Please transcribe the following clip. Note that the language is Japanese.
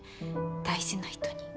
大事な人に。